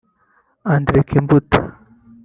André Kimbuta